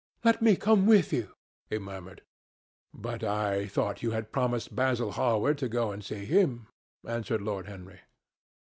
"Let me come with you," he murmured. "But I thought you had promised Basil Hallward to go and see him," answered Lord Henry.